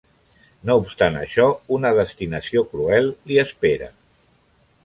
No obstant això una destinació cruel li espera.